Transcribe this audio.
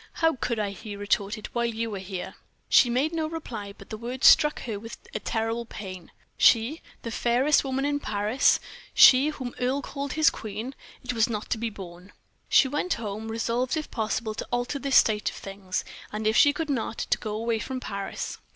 "How could I," he retorted, "while you were here?" She made no reply, but the words struck her with a terrible pain. She, the fairest woman in Paris, she whom Earle called his queen it was not to be borne. She went home, resolved if possible, to alter this state of things, and if she could not, to go away from Paris.